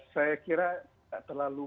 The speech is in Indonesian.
saya kira tidak terlalu